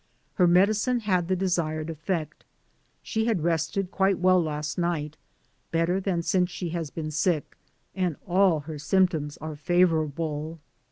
Her medicine had the de sired effect. She had rested quite well last night — better than since she has been sick — and all her symptoms are favorable.